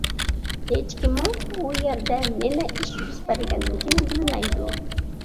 ھېچكىممۇ ئۇ يەردە نېمە ئىش يۈز بەرگەنلىكىنى بىلمەيدۇ.